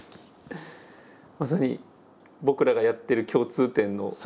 まさに僕らがやってる共通点の。